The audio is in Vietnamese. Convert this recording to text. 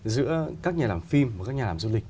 giữa các nhà làm phim với các nhà làm du lịch